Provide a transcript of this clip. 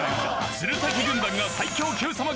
鶴崎軍団が最強 Ｑ さま！！